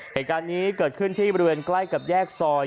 เหตุการณ์นี้เกิดขึ้นที่บริเวณใกล้กับแยกซอย